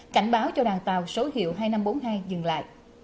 cảnh báo cho đoàn tàu số hiệu hai nghìn năm trăm bốn mươi hai dừng lại